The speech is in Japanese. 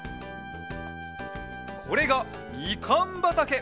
これがみかんばたけ！